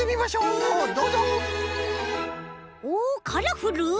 おカラフル！